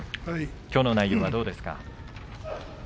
きょうの内容はどうですか？